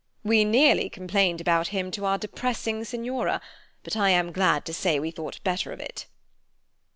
We nearly complained about him to our depressing Signora, but I am glad to say we thought better of it."